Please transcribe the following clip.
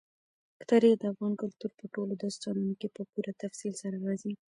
تاریخ د افغان کلتور په ټولو داستانونو کې په پوره تفصیل سره راځي.